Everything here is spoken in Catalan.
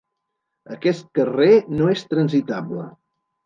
Aquest carrer no és transitable.